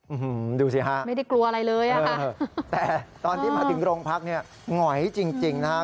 อื้อหือดูสิครับแต่ตอนที่มาถึงโรงพักษณ์นี่หง่อยจริงนะครับ